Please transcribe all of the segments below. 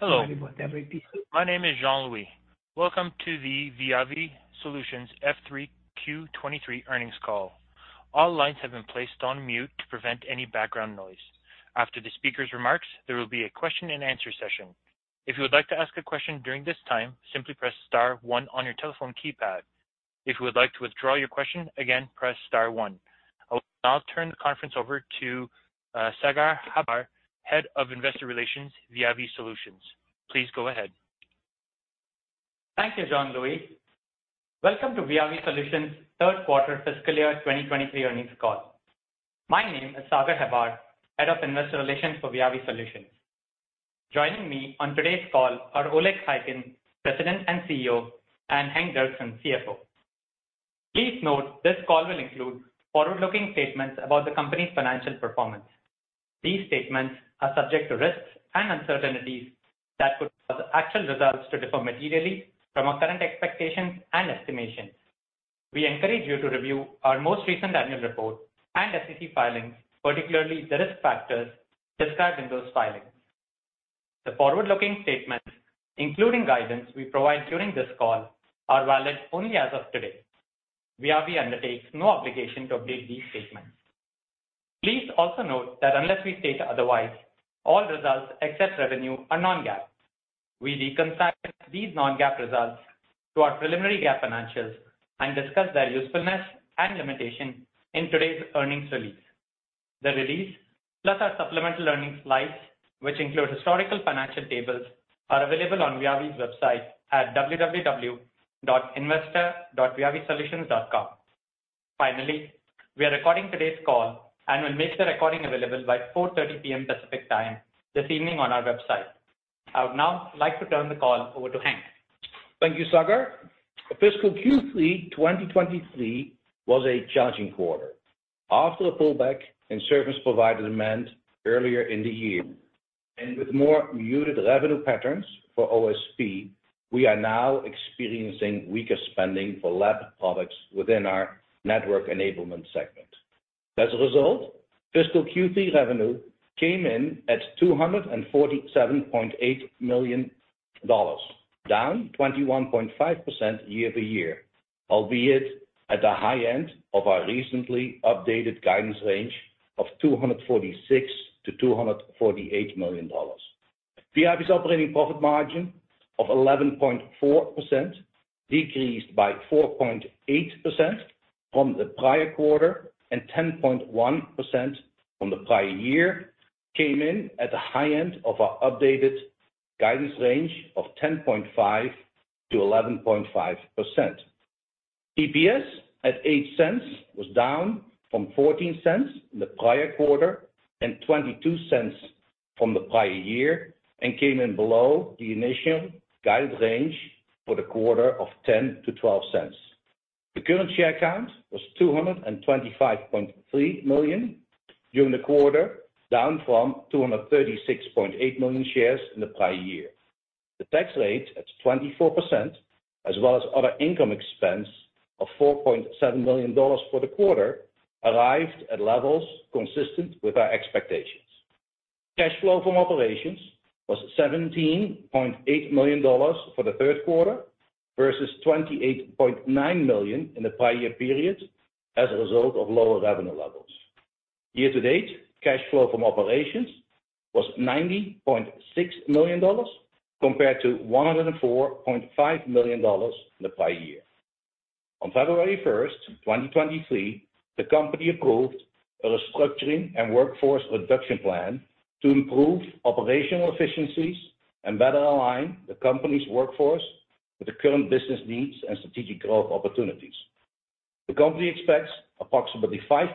Hello. My name is Jean-Louis. Welcome to the Viavi Solutions F3Q23 earnings call. All lines have been placed on mute to prevent any background noise. After the speaker's remarks, there will be a question and answer session. If you would like to ask a question during this time, simply press star one on your telephone keypad. If you would like to withdraw your question, again, press star one. I will now turn the conference over to Sagar Hebbar, Head of Investor Relations, Viavi Solutions. Please go ahead. Thank you, Jean-Louis. Welcome to Viavi Solutions third quarter fiscal year 2023 earnings call. My name is Sagar Hebbar, Head of Investor Relations for Viavi Solutions. Joining me on today's call are Oleg Khaykin, President and CEO, and Henk Derksen, CFO. Please note this call will include forward-looking statements about the company's financial performance. These statements are subject to risks and uncertainties that could cause actual results to differ materially from our current expectations and estimations. We encourage you to review our most recent annual report and SEC filings, particularly the risk factors described in those filings. The forward-looking statements, including guidance we provide during this call, are valid only as of today. Viavi undertakes no obligation to update these statements. Please also note that unless we state otherwise, all results except revenue are non-GAAP. We reconcile these non-GAAP results to our preliminary GAAP financials and discuss their usefulness and limitation in today's earnings release. The release, plus our supplemental earnings slides, which include historical financial tables, are available on Viavi's website at www.investor viavisolutions.com. We are recording today's call and will make the recording available by 4:30 P.M. Pacific Time this evening on our website. I would now like to turn the call over to Henk. Thank you, Sagar. Fiscal Q3 2023 was a challenging quarter. After the pullback in service provider demand earlier in the year, with more muted revenue patterns for OSP, we are now experiencing weaker spending for lab products within our Network Enablement segment. As a result, fiscal Q3 revenue came in at $247.8 million, down 21.5% year-over-year, albeit at the high end of our recently updated guidance range of $246 million-$248 million. Viavi's operating profit margin of 11.4% decreased by 4.8% from the prior quarter and 10.1% from the prior year came in at the high end of our updated guidance range of 10.5%-11.5%. EPS at $0.08 was down from $0.14 in the prior quarter and $0.22 from the prior year, and came in below the initial guidance range for the quarter of $0.10-$0.12. The current share count was 225.3 million during the quarter, down from 236.8 million shares in the prior year. The tax rate at 24%, as well as other income expense of $4.7 million for the quarter, arrived at levels consistent with our expectations. Cash flow from operations was $17.8 million for the third quarter versus $28.9 million in the prior year period as a result of lower revenue levels. Year to date, cash flow from operations was $90.6 million compared to $104.5 million in the prior year. On February 1, 2023, the company approved a restructuring and workforce reduction plan to improve operational efficiencies and better align the company's workforce with the current business needs and strategic growth opportunities. The company expects approximately 5%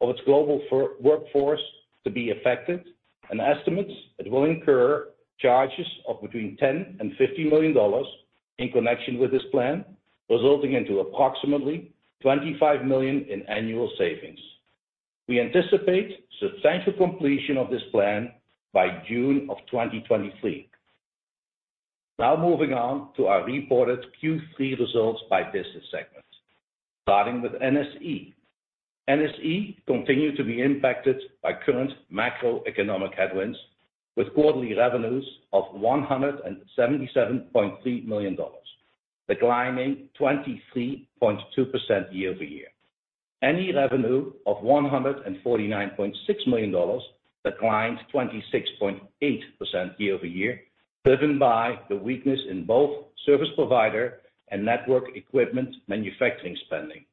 of its global workforce to be affected, and estimates it will incur charges of between $10 million and $50 million in connection with this plan, resulting into approximately $25 million in annual savings. We anticipate substantial completion of this plan by June of 2023. Moving on to our reported Q3 results by business segment. Starting with NSE. NSE continued to be impacted by current macroeconomic headwinds with quarterly revenues of $177.3 million, declining 23.2% year-over-year. NE revenue of $149.6 million declined 26.8% year-over-year, driven by the weakness in both service provider and network equipment manufacturing spending.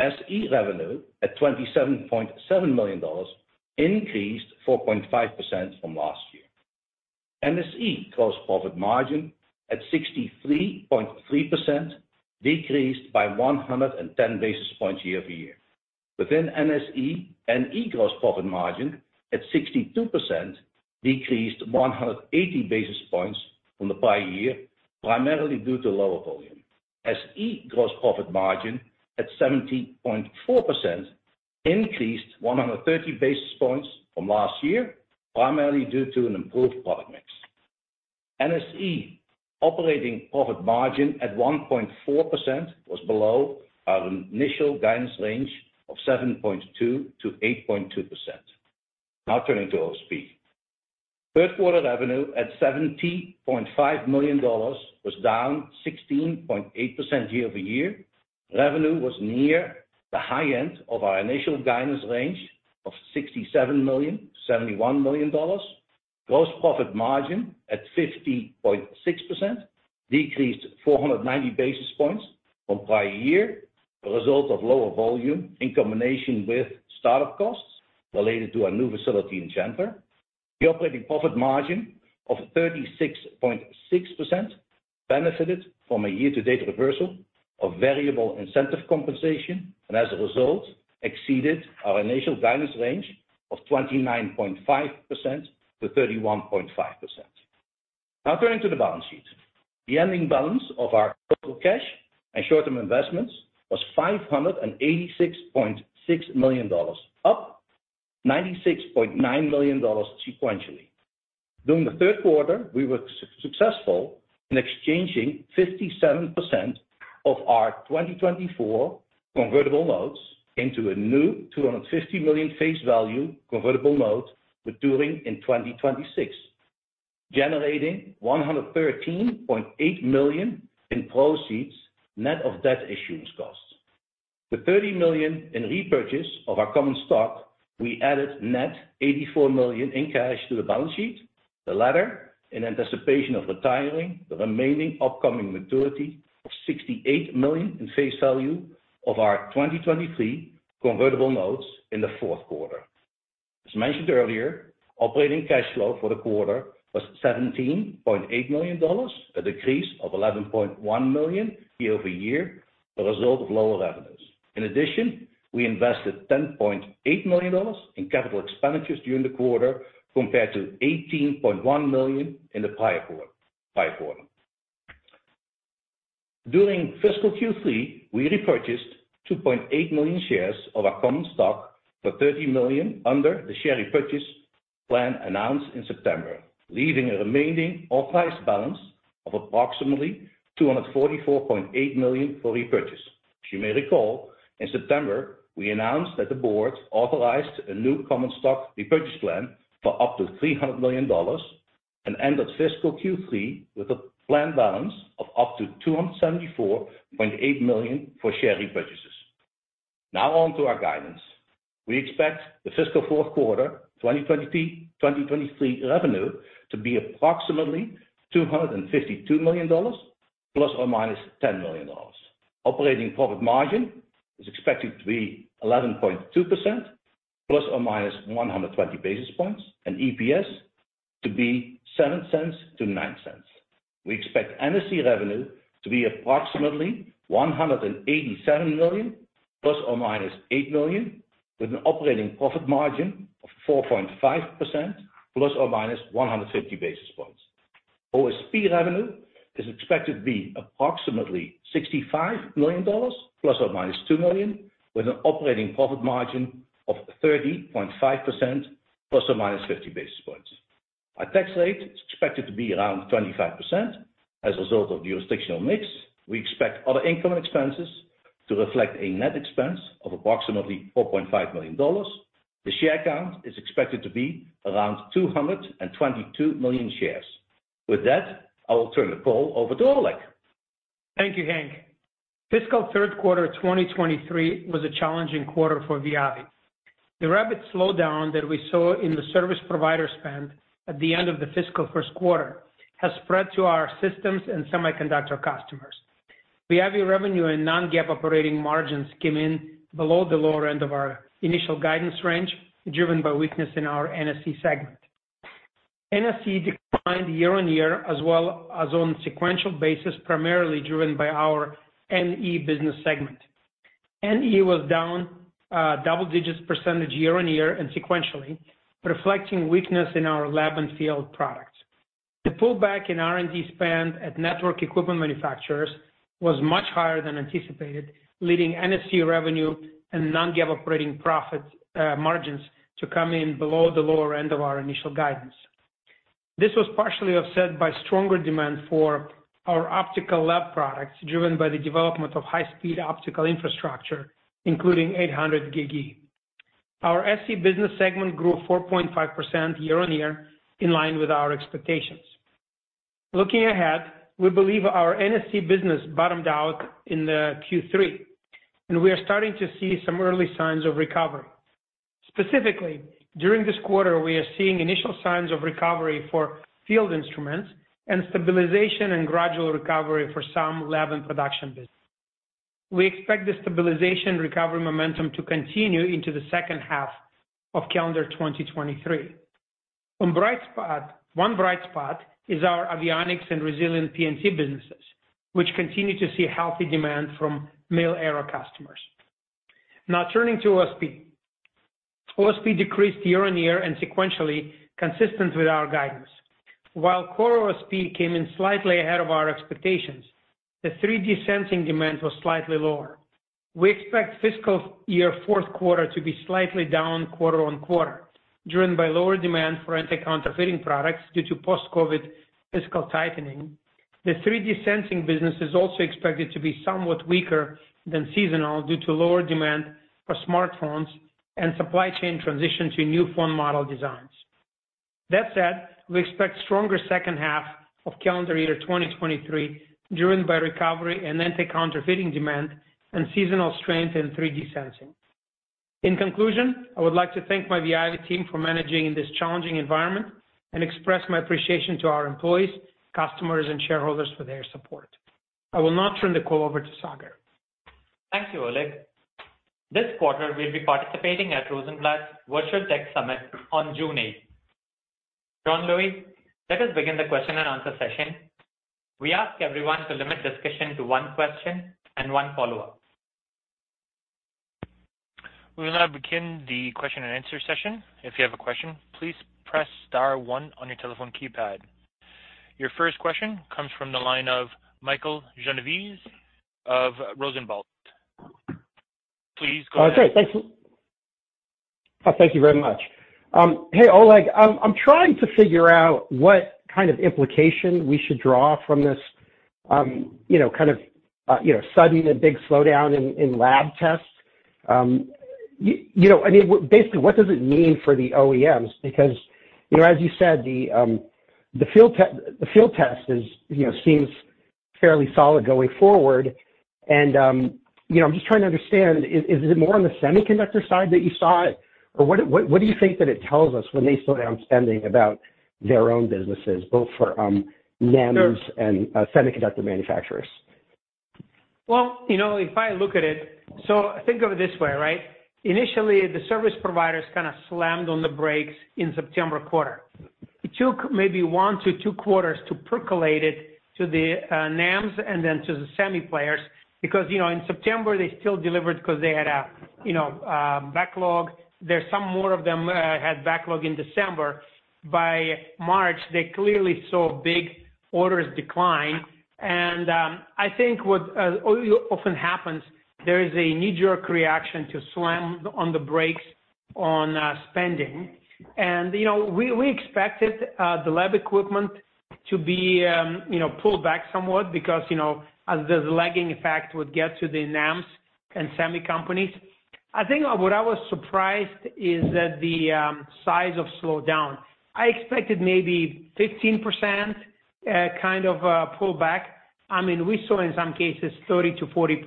SE revenue at $27.7 million increased 4.5% from last year. NSE gross profit margin at 63.3% decreased by 110 basis points year-over-year. Within NSE, NE gross profit margin at 62% decreased 180 basis points from the prior year, primarily due to lower volume. SE gross profit margin at 17.4% increased 130 basis points from last year, primarily due to an improved product mix. NSE operating profit margin at 1.4% was below our initial guidance range of 7.2%-8.2%. Turning to OSP. Third quarter revenue at $70.5 million was down 16.8% year-over-year. Revenue was near the high end of our initial guidance range of $67 million-$71 million. Gross profit margin at 50.6% decreased 490 basis points from prior year as a result of lower volume in combination with start-up costs related to our new facility in Chandler. The operating profit margin of 36.6% benefited from a year-to-date reversal of variable incentive compensation, and as a result, exceeded our initial guidance range of 29.5%-31.5%. Now turning to the balance sheet. The ending balance of our total cash and short-term investments was $586.6 million, up $96.9 million sequentially. During the third quarter, we were successful in exchanging 57% of our 2024 convertible notes into a new $250 million face value convertible note maturing in 2026, generating $113.8 million in proceeds net of debt issuance costs. The $30 million in repurchase of our common stock, we added net $84 million in cash to the balance sheet, the latter in anticipation of retiring the remaining upcoming maturity of $68 million in face value of our 2023 convertible notes in the fourth quarter. As mentioned earlier, operating cash flow for the quarter was $17.8 million, a decrease of $11.1 million year-over-year, a result of lower revenues. In addition, we invested $10.8 million in capital expenditures during the quarter compared to $18.1 million in the prior quarter. During fiscal Q3, we repurchased 2.8 million shares of our common stock for $30 million under the share repurchase plan announced in September, leaving a remaining authorized balance of approximately $244.8 million for repurchase. As you may recall, in September, we announced that the board authorized a new common stock repurchase plan for up to $300 million and ended fiscal Q3 with a planned balance of up to $274.8 million for share repurchases. On to our guidance. We expect the fiscal fourth quarter 2023 revenue to be approximately $252 million ±$10 million. Operating profit margin is expected to be 11.2% ±120 basis points, and EPS to be $0.07-$0.09. We expect NSE revenue to be approximately $187 million ±$8 million, with an operating profit margin of 4.5% ±150 basis points. OSP revenue is expected to be approximately $65 million ± $2 million, with an operating profit margin of 30.5% plus or minus 50 basis points. Our tax rate is expected to be around 25%. As a result of jurisdictional mix, we expect other income expenses to reflect a net expense of approximately $4.5 million. The share count is expected to be around 222 million shares. With that, I will turn the call over to Oleg. Thank you, Henk. Fiscal 3rd quarter 2023 was a challenging quarter for Viavi. The rapid slowdown that we saw in the service provider spend at the end of the fiscal 1st quarter has spread to our systems and semiconductor customers. Viavi revenue and non-GAAP operating margins came in below the lower end of our initial guidance range, driven by weakness in our NSE segment. NSE declined year-on-year as well as on sequential basis, primarily driven by our NE business segment. NE was down double-digits percentage year-on-year and sequentially, reflecting weakness in our lab and field products. The pullback in R&D spend at network equipment manufacturers was much higher than anticipated, leading NSE revenue and non-GAAP operating profit margins to come in below the lower end of our initial guidance. This was partially offset by stronger demand for our optical lab products, driven by the development of high-speed optical infrastructure, including 800GbE. Our SE business segment grew 4.5% year-on-year in line with our expectations. Looking ahead, we believe our NSE business bottomed out in the Q3, and we are starting to see some early signs of recovery. Specifically, during this quarter, we are seeing initial signs of recovery for field instruments and stabilization and gradual recovery for some lab and production business. We expect the stabilization recovery momentum to continue into the second half of calendar 2023. One bright spot is our avionics and resilient PNT businesses, which continue to see healthy demand from mil-aero customers. Now turning to OSP. OSP decreased year-on-year and sequentially consistent with our guidance. While core OSP came in slightly ahead of our expectations, the 3D sensing demand was slightly lower. We expect fiscal year fourth quarter to be slightly down quarter-on-quarter, driven by lower demand for anti-counterfeiting products due to post-COVID fiscal tightening. The 3D sensing business is also expected to be somewhat weaker than seasonal due to lower demand for smartphones and supply chain transition to new phone model designs. That said, we expect stronger second half of calendar year 2023 during by recovery and anti-counterfeiting demand and seasonal strength in 3D sensing. In conclusion, I would like to thank my Viavi team for managing in this challenging environment and express my appreciation to our employees, customers, and shareholders for their support. I will now turn the call over to Sagar. Thank you, Oleg. This quarter we'll be participating at Rosenblatt's Virtual Tech Summit on June eighth. Jean-Louis, let us begin the question and answer session. We ask everyone to limit discussion to one question and one follow-up. We will now begin the question and answer session. If you have a question, please press star one on your telephone keypad. Your first question comes from the line of Michael Genovese of Rosenblatt. Please go ahead. Okay, thanks. Thank you very much. Hey, Oleg, I'm trying to figure out what kind of implication we should draw from this, you know, kind of, you know, sudden and big slowdown in lab tests. You know, I mean, basically, what does it mean for the OEMs? You know, as you said, the field test is, you know, seems fairly solid going forward. You know, I'm just trying to understand, is it more on the semiconductor side that you saw it? Or what do you think that it tells us when they slow down spending about their own businesses, both for NEMs and semiconductor manufacturers? You know, if I look at it. Think of it this way, right? Initially, the service providers kind of slammed on the brakes in September quarter. It took maybe 1-2 quarters to percolate it to the NEMs and then to the semi players because, you know, in September they still delivered because they had a, you know, backlog. There's some more of them had backlog in December. By March, they clearly saw big orders decline. I think what often happens there is a knee-jerk reaction to slam on the brakes on spending. You know, we expected the lab equipment to be, you know, pulled back somewhat because, you know, as the lagging effect would get to the NEMs and semi companies. I think what I was surprised is that the size of slowdown. I expected maybe 15% pullback. I mean, we saw in some cases 30%-40%.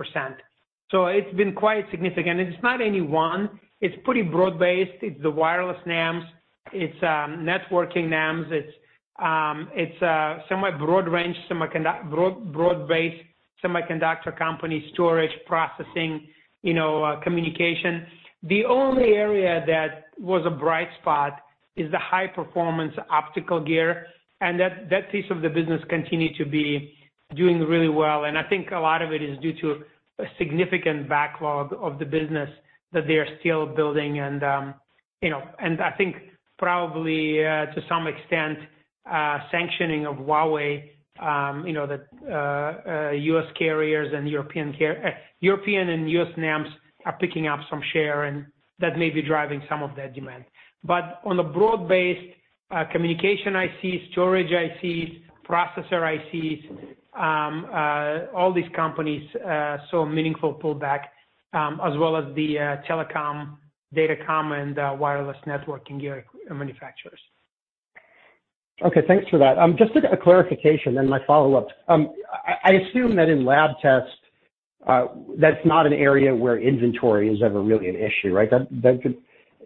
It's been quite significant. It's not any one. It's pretty broad-based. It's the wireless NEMs. It's networking NEMs. It's somewhat broad range, broad-based semiconductor company storage, processing, you know, communication. The only area that was a bright spot is the high performance optical gear, and that piece of the business continued to be doing really well, and I think a lot of it is due to a significant backlog of the business that they are still building and, you know. I think probably, to some extent, sanctioning of Huawei, you know, that U.S. carriers and European and U.S. NEMs are picking up some share, and that may be driving some of their demand. On the broad-based, communication ICs, storage ICs, processor ICs, all these companies saw meaningful pullback, as well as the telecom, datacom, and wireless networking gear manufacturers. Okay, thanks for that. Just a clarification. My follow-up. I assume that in lab tests, that's not an area where inventory is ever really an issue, right? That could...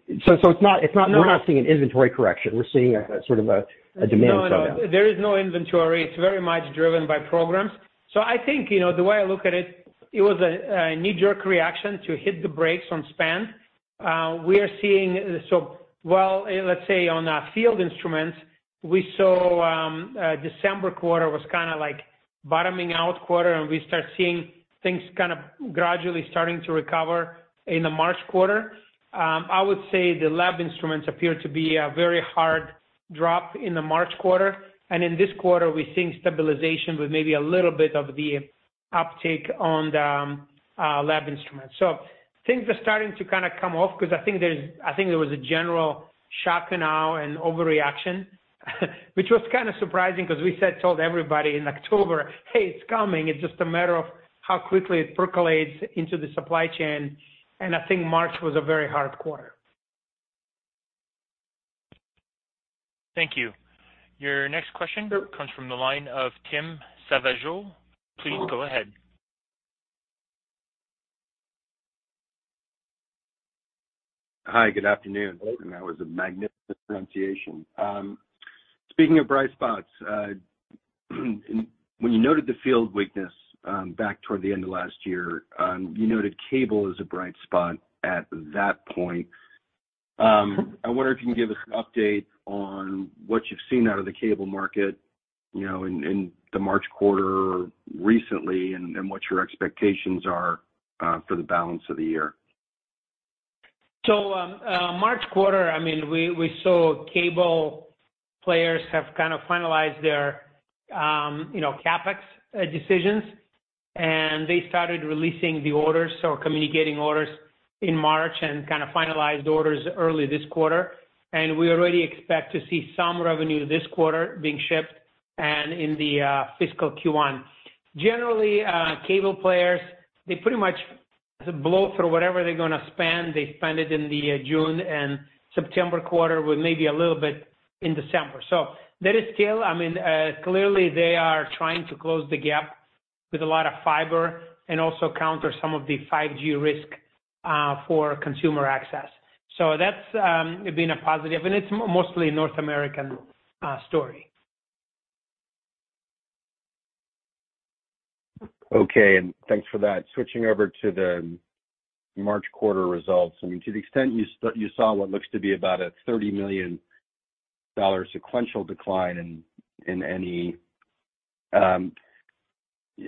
It's not- No. We're not seeing an inventory correction. We're seeing a, sort of a demand slowdown. No, no. There is no inventory. It's very much driven by programs. I think, you know, the way I look at it was a knee-jerk reaction to hit the brakes on spend. well, let's say on, field instruments, we saw, December quarter was kinda like bottoming out quarter, and we start seeing things kind of gradually starting to recover in the March quarter. I would say the lab instruments appear to be a very hard drop in the March quarter. In this quarter we're seeing stabilization with maybe a little bit of the uptake on the, lab instruments. Things are starting to kinda come off because I think there's, I think there was a general shock and awe and overreaction, which was kinda surprising 'cause we told everybody in October, "Hey, it's coming. It's just a matter of how quickly it percolates into the supply chain." I think March was a very hard quarter. Thank you. Your next question comes from the line of Tim Savageaux. Please go ahead. Hi, good afternoon. That was a magnificent pronunciation. Speaking of bright spots, when you noted the field weakness, back toward the end of last year, you noted cable as a bright spot at that point. I wonder if you can give us an update on what you've seen out of the cable market, you know, in the March quarter recently and what your expectations are for the balance of the year. March quarter, I mean, we saw cable players have kind of finalized their, you know, CapEx decisions, and they started releasing the orders or communicating orders in March and kind of finalized orders early this quarter. We already expect to see some revenue this quarter being shipped and in the fiscal Q1. Generally, cable players, they pretty much blow through whatever they're gonna spend. They spend it in the June and September quarter with maybe a little bit in December. There is still... I mean, clearly they are trying to close the gap with a lot of fiber and also counter some of the 5G risk for consumer access. That's been a positive, and it's mostly North American story. Okay. Thanks for that. Switching over to the March quarter results. I mean, to the extent you saw what looks to be about a $30 million sequential decline in any...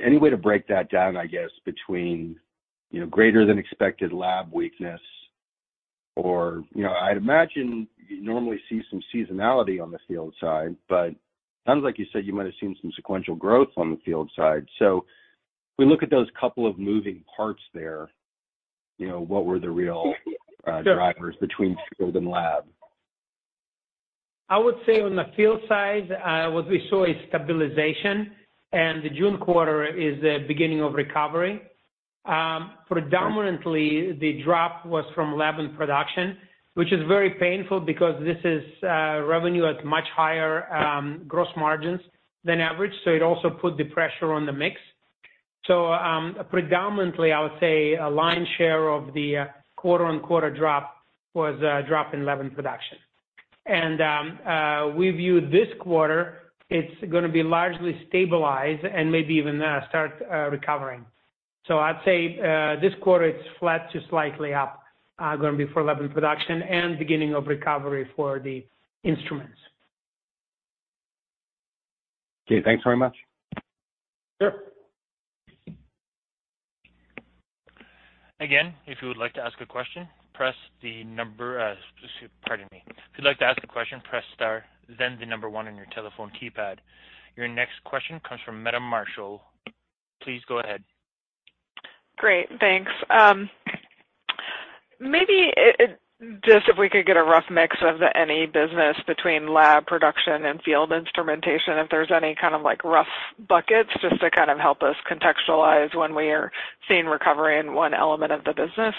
Any way to break that down, I guess, between, you know, greater than expected lab weakness or, you know, I'd imagine you normally see some seasonality on the field side, but sounds like you said you might have seen some sequential growth on the field side. If we look at those couple of moving parts there, you know, what were the real drivers between field and lab? I would say on the field side, what we saw is stabilization, and the June quarter is the beginning of recovery. Predominantly, the drop was from lab and production, which is very painful because this is revenue at much higher gross margins than average, so it also put the pressure on the mix. Predominantly, I would say a lion's share of the quarter-on-quarter drop was a drop in lab and production. We view this quarter, it's gonna be largely stabilized and maybe even start recovering. I'd say, this quarter it's flat to slightly up, gonna be for lab and production and beginning of recovery for the instruments. Okay, thanks very much. Sure. Again, if you would like to ask a question, pardon me. If you'd like to ask a question, press star then the number one on your telephone keypad. Your next question comes from Meta Marshall. Please go ahead. Great, thanks. Just if we could get a rough mix of the NE business between lab production and field instrumentation, if there's any kind of like rough buckets just to kind of help us contextualize when we are seeing recovery in one element of the business,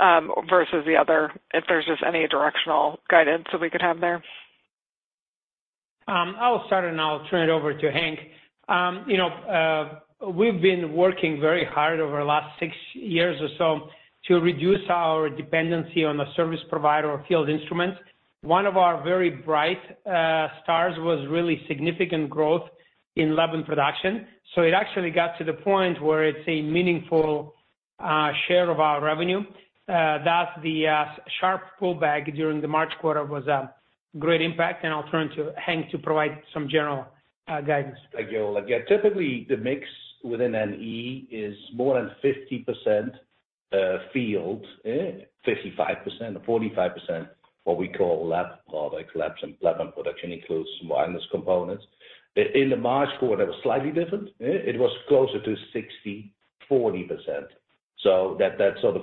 versus the other, if there's just any directional guidance that we could have there? I'll start, and I'll turn it over to Henk. you know, we've been working very hard over the last six years or so to reduce our dependency on the service provider or field instruments. One of our very bright stars was really significant growth in lab and production. It actually got to the point where it's a meaningful share of our revenue, that the sharp pullback during the March quarter was a great impact. I'll turn to Henk to provide some general guidance. Thank you, Oleg. Typically the mix within NE is more than 50% field, 55% or 45%, what we call lab products. Lab and production includes some wireless components. In the March quarter, it was slightly different. It was closer to 60/40%. That sort of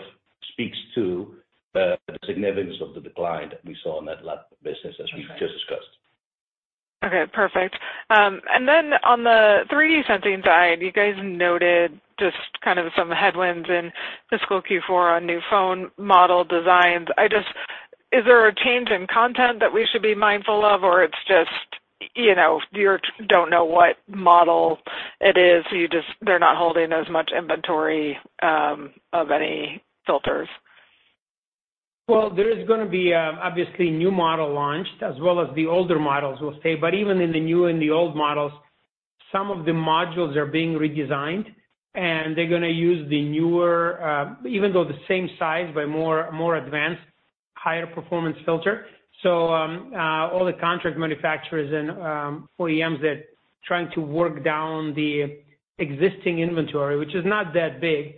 speaks to the significance of the decline that we saw in that lab business as we just discussed. Okay, perfect. On the 3D sensing side, you guys noted just kind of some headwinds in fiscal Q4 on new phone model designs. Is there a change in content that we should be mindful of? It's just, you know, you're don't know what model it is, so you just, they're not holding as much inventory of any filters? There is gonna be, obviously a new model launched as well as the older models will stay. Even in the new and the old models, some of the modules are being redesigned, and they're gonna use the newer, even though the same size, but more advanced, higher performance filter. All the contract manufacturers and OEMs, they're trying to work down the existing inventory, which is not that big,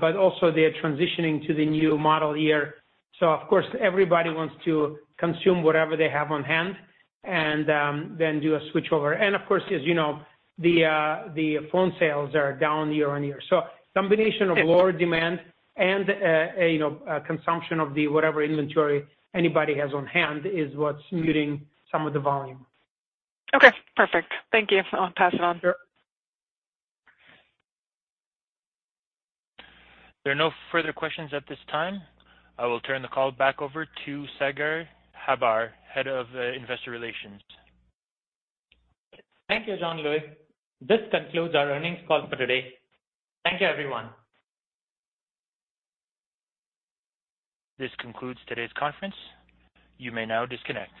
but also they're transitioning to the new model year. Of course, everybody wants to consume whatever they have on hand and then do a switchover. Of course, as you know, the phone sales are down year-on-year. Combination of lower demand and, you know, consumption of the whatever inventory anybody has on hand is what's muting some of the volume. Okay, perfect. Thank you. I'll pass it on. Sure. There are no further questions at this time. I will turn the call back over to Sagar Hebbar, Head of Investor Relations. Thank you, Jean-Louis. This concludes our earnings call for today. Thank you, everyone. This concludes today's conference. You may now disconnect.